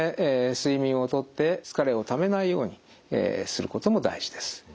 睡眠をとって疲れをためないようにすることも大事です。